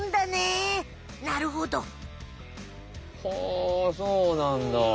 ほうそうなんだ。